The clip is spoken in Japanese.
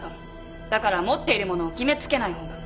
だから持っている物を決め付けない方が。